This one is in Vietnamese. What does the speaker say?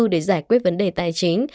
để giải quyết vấn đề tài chính